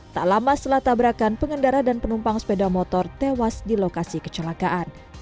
tak lama setelah tabrakan pengendara dan penumpang sepeda motor tewas di lokasi kecelakaan